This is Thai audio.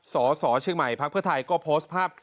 สสเชียงใหม่พักเพื่อไทยก็โพสต์ภาพ